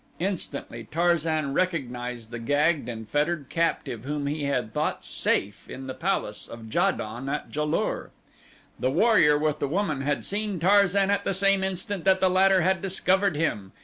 Instantly Tarzan recognized the gagged and fettered captive whom he had thought safe in the palace of Ja don at Ja lur. The warrior with the woman had seen Tarzan at the same instant that the latter had discovered him.